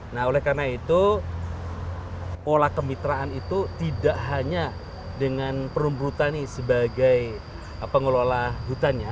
nah oleh karena itu pola kemitraan itu tidak hanya dengan perumbu tani sebagai pengelola hutannya